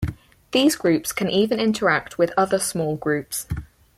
These groups can even interact with other small groups.